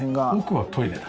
奧はトイレだ。